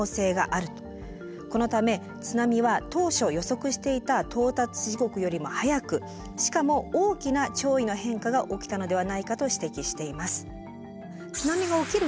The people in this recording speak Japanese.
このため津波は当初予測していた到達時刻よりも早くしかも大きな潮位の変化が起きたのではないかと指摘しています。